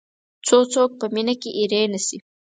څو څوک په مینه کې اېرې نه شي.